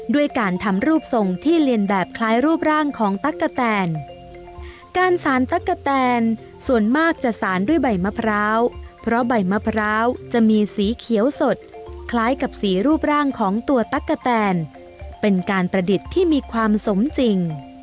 ด้วยการทำรูปทรงที่เรียนแบบคล้ายรูปร่างของตั๊กกะแตนการสารตั๊กกะแตนส่วนมากจะสารด้วยใบมะพร้าวเพราะใบมะพร้าวจะมีสีเขียวสดคล้ายกับสีรูปร่างของตัวตั๊กกะแตนเป็นการประดิษฐ์ที่มีความสมจริง